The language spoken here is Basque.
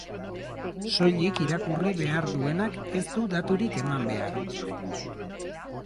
Soilik irakurri behar duenak ez du daturik eman behar.